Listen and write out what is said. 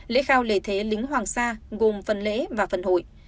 lễ khao lễ thế lính hoàng sa gồm phần lễ và phần hội